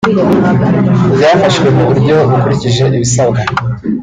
byafashwe mu buryo bukurikije ibisabwa